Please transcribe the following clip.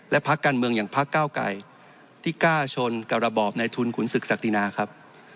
และพักการเมืองอย่างพักก้าวไก่ที่กล้าชนกับระบอบในทุนขุนศึกศักดินาครับ